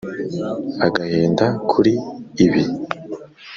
agahinda kuri ibi.